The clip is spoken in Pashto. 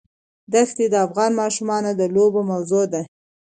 دښتې د افغان ماشومانو د لوبو موضوع ده.